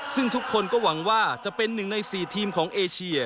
ซึ่งทุกคนก็หวังว่าจะเป็นหนึ่งใน๔ทีมของเอเชีย